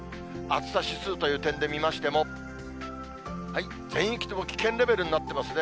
暑さ指数という点で見ましても、全域とも危険レベルになっていますね。